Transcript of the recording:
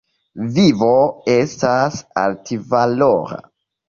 Vivo estas altvalora.